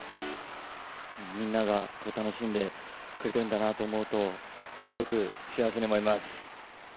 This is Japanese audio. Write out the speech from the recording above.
みんなが楽しんでくれてるんだなと思うと、すごく幸せに思います。